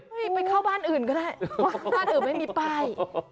ไปเข้าบ้านอื่นก็ได้บ้านอื่นไม่มีป้าย